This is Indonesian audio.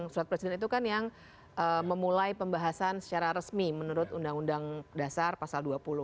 surat presiden itu kan yang memulai pembahasan secara resmi menurut undang undang dasar pasal dua puluh